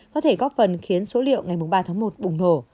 có thể góp phần khiến số liệu ngày ba tháng một bùng nổ